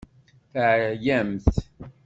Teɛyamt?